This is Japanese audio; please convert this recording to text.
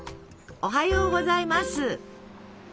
おはようございます。